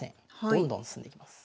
どんどん進んできます。